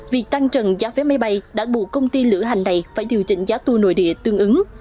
việc tăng trần giá vé máy bay đã bù công ty lửa hành này phải điều chỉnh giá tour nội địa tương ứng